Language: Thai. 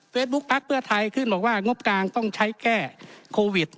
เฟสบุ๊คปรักษณ์เพื่อไทยขึ้นบอกว่างบกางต้องใช้แก้โควิด